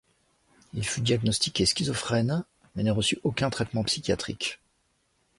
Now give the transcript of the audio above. Il fut diagnostiqué schizophrène, mais ne reçut aucun traitement psychiatrique.